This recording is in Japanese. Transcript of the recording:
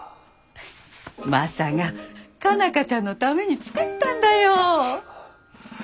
マサが佳奈花ちゃんのために作ったんだよ。